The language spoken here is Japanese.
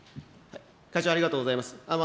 会長、ありがとうございます。